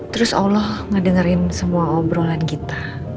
terus allah ngedengerin semua obrolan kita